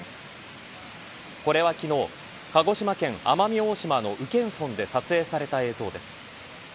これは昨日、鹿児島県奄美大島の宇検村で撮影された映像です。